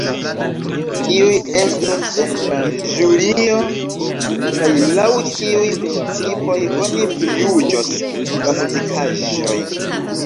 Kiuj estos en la ĵurio, kaj laŭ kiuj principoj oni prijuĝos la muzikaĵojn?